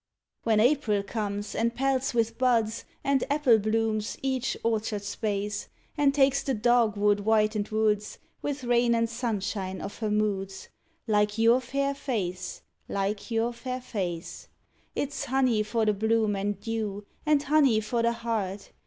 When April comes, and pelts with buds And apple blooms each orchard space, And takes the dog wood whitened woods With rain and sunshine of her moods, Like your fair face, like your fair face: It's honey for the bloom and dew, And honey for the heart!